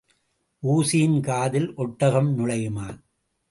ஊசியின் காதில் ஒட்டகம் நுழையுமா?